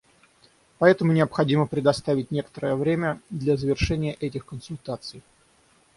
Поэтому необходимо предоставить некоторое время для завершения этих консультаций.